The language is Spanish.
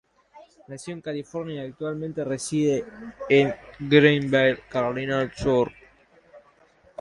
Nació en California y actualmente reside en Greenville, Carolina del Sur.